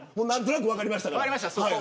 何となく分かりました。